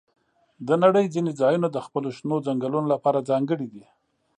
د نړۍ ځینې ځایونه د خپلو شنو ځنګلونو لپاره ځانګړي دي.